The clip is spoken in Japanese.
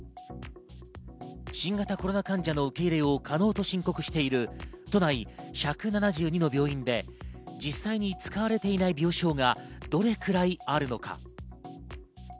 新型コロナ患者の受け入れを可能と申告している、都内１７２の病院で実際に使われていない病床がどれくらいあるのか。